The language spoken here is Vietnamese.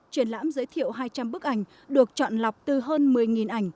triển lãm giới thiệu hai trăm linh bức ảnh được chọn lọc từ hơn một mươi ảnh